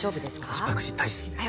私パクチー大好きです。